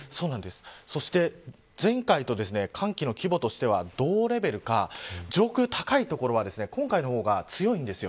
そして前回と寒気の規模としては同レベルか上空の高い所は今回の方が強いんですよ。